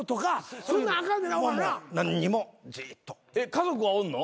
家族はおんの？